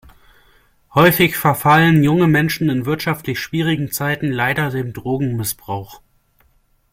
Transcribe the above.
Häufig verfallen junge Menschen in wirtschaftlich schwierigen Zeiten leider dem Drogenmissbrauch.